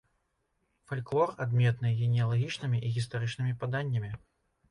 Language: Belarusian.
Фальклор адметны генеалагічнымі і гістарычнымі паданнямі.